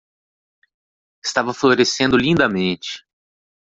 Estava florescendo lindamente.